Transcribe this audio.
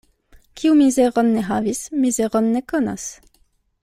Kiu mizeron ne havis, mizeron ne konas.